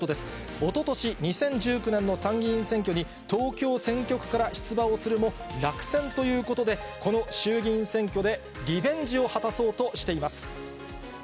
おととし・２０１９年の参議院選挙に東京選挙区から出馬をするも、落選ということで、この衆議院選挙でリベンジを果たそうとしています。